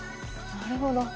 なるほど。